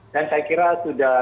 dan saya kira sudah